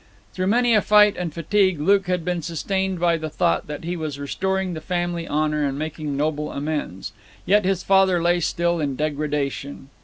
Through many a fight and fatigue Luke had been sustained by the thought that he was restoring the family honour and making noble amends. Yet his father lay still in degradation.